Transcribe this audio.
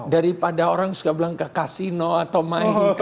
daripada orang suka bilang ke kasino atau main